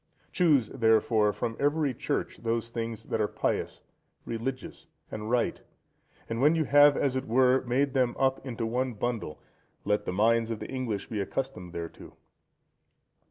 Choose, therefore, from every Church those things that are pious, religious, and right, and when you have, as it were, made them up into one bundle, let the minds of the English be accustomed thereto.